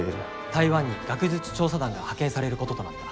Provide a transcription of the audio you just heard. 台湾に学術調査団が派遣されることとなった。